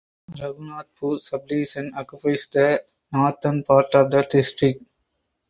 Raghunathpur subdivision occupies the northern part of the district.